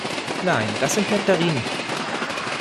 Nein, das sind Nektarinen.